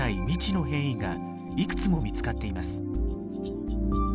未知の変異がいくつも見つかっています。